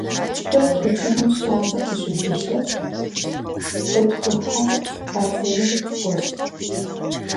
Шъо тучаным щатэ къыщышъущэф, тэ тхъухьэ бэдзэрым тыкӏощт.